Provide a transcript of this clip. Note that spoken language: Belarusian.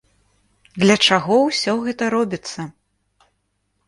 Для чаго ўсё гэта робіцца?